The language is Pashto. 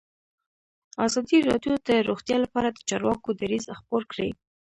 ازادي راډیو د روغتیا لپاره د چارواکو دریځ خپور کړی.